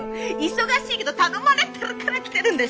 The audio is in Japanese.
忙しいけど頼まれてるから来てるんでしょ！